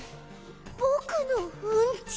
ぼくのうんち！？